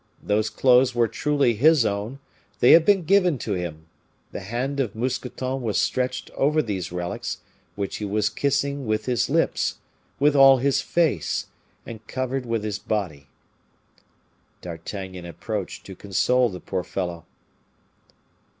Those clothes were truly his own; they had been given to him; the hand of Mousqueton was stretched over these relics, which he was kissing with his lips, with all his face, and covered with his body. D'Artagnan approached to console the poor fellow.